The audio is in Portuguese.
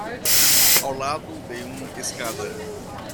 Ao lado de uma escada